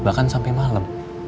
bahkan sampai malam